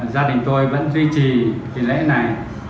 gia đình tôi vẫn duy trì lễ này